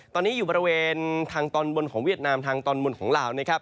ตอนนี้อยู่บริเวณทางตอนบนของเวียดนามทางตอนบนของลาวนะครับ